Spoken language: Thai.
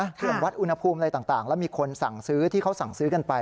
เครื่องวัดอุณหภูมิอะไรต่างแล้วมีคนสั่งซื้อที่เขาสั่งซื้อกันไป